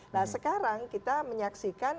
nah sekarang kita menyaksikan